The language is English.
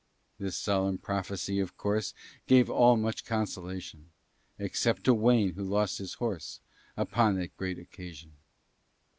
This solemn prophecy, of course, Gave all much consolation, Except to Wayne, who lost his horse Upon that great occasion.